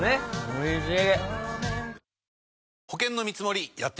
おいしい。